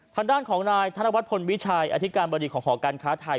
ทางด้านของนายธนวัฒนพลวิชัยอธิการบดีของหอการค้าไทย